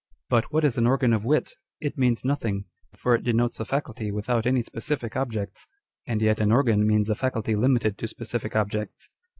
But what is an organ of wit ? It means nothing ; for it denotes a faculty without any specific objects : and yet an organ means a faculty limited to specific objects.